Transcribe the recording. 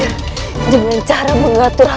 bagaimana pak j gepeng network